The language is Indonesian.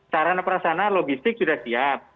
karena perasana logistik sudah siap